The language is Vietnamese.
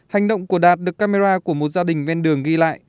hành động của đạt được camera của một gia đình ven đường ghi lại